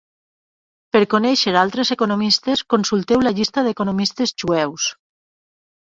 Per conèixer altres economistes, consulteu la llista d'economistes jueus.